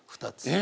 え！